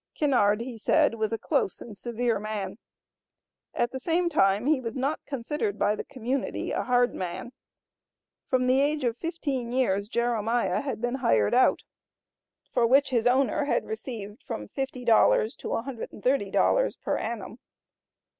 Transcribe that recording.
Kinnard, he said, was a "close and severe man." At the same time he was not considered by the community "a hard man." From the age of fifteen years Jeremiah had been hired out, for which his owner had received from $50 to $130 per annum.